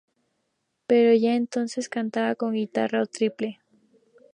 Pero ya entonces cantaba con guitarra o tiple.